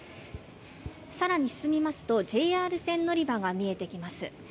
更に進みますとＪＲ線乗り場が見えてきます。